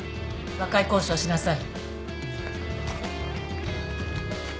和解交渉しなさい。